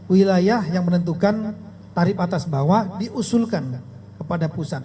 wilayah yang menentukan tarif atas bawah diusulkan kepada pusat